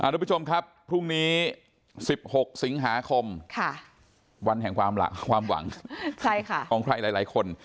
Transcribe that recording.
ทุกผู้ชมครับพรุ่งนี้๑๖สิงหาคมวันแห่งความหวังของใครหลายคน